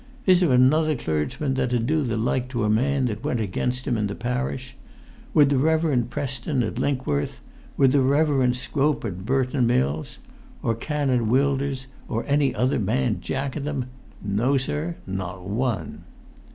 Is there another clergyman that'd do the like to a man that went against him in the parish? Would the Reverend Preston at Linkworth? Would the Reverend Scrope at Burton Mills? Or Canon Wilders, or any other man Jack of 'em? No, sir, not one!"